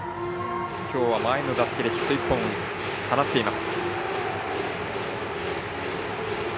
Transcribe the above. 今日は前の打席でヒット１本放っています。